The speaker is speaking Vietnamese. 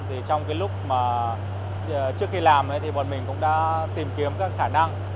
trong lúc trước khi làm bọn mình cũng đã tìm kiếm các khả năng